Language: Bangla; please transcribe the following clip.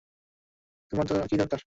তোমার কি দরকার?